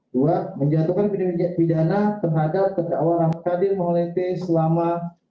dua menjatuhkan pidana terhadap terdakwa rahmat kadir mohon lepih selama